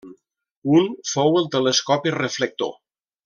Un fou el telescopi reflector.